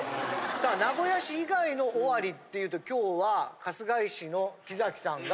さあ名古屋市以外の尾張っていうと今日は春日井市の木さんが。